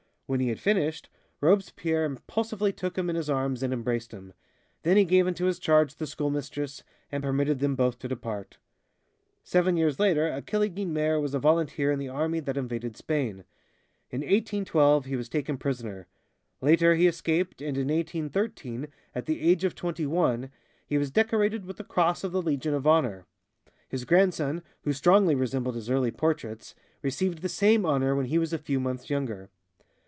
When he had finished, Robespierre impulsively took him in his arms and embraced him. Then he gave into his charge the school mistress, and permitted them both to depart. Seven years later, Achille Guynemer was a volunteer in the army that invaded Spain. In 1812, he was taken prisoner; later he escaped, and in 1813, at the age of twenty one, he was decorated with the Cross of the Legion of Honor. His grandson, who strongly resembled his early portraits, received the same honor when he was a few months younger.